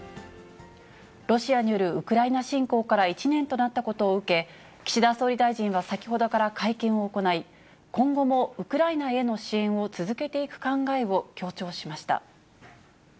ロシアによるウクライナ侵攻から１年となったことを受け、岸田総理大臣は先ほどから会見を行い、今後もウクライナへの支援を続けていく考えを強調しました。